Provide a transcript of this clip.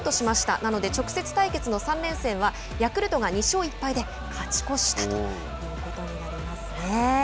なので直接対決の３連戦はヤクルトが２勝１敗で勝ち越したということになります。